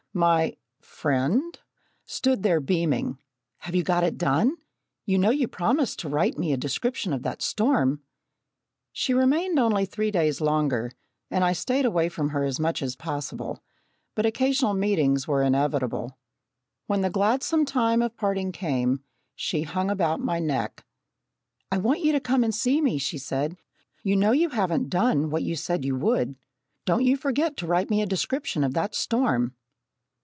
My friend (?) stood there beaming. "Have you got it done? You know you promised to write me a description of that storm!" She remained only three days longer, and I stayed away from her as much as possible, but occasional meetings were inevitable. When the gladsome time of parting came, she hung about my neck. "I want you to come and see me," she said. "You know you haven't done what you said you would. Don't you forget to write me a description of that storm!"